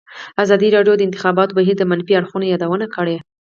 ازادي راډیو د د انتخاباتو بهیر د منفي اړخونو یادونه کړې.